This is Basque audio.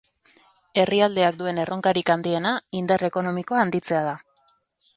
Herrialdeak duen erronkarik handiena indar ekonomikoa handitzea da.